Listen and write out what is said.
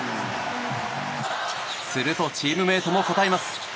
するとチームメートも応えます。